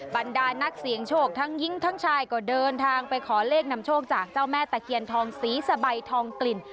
บรรดานักเสียงโชคทั้งยิ้งทั้งชายก็เดินทางไปขอเลขนำโชคจากเจ้าแม่ตะเคียนทองสีสะใบทองกลิ่น